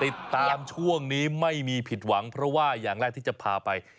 ช่วงนี้ไม่มีผิดหวังเพราะว่าอย่างแรกที่จะพาไป